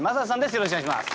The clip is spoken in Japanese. よろしくお願いします。